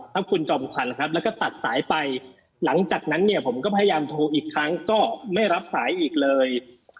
ครับคุณจอมขวัญครับแล้วก็ตัดสายไปหลังจากนั้นเนี่ยผมก็พยายามโทรอีกครั้งก็ไม่รับสายอีกเลย